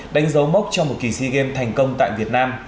đánh dấu mốc cho một kỳ sigen thành công tại việt nam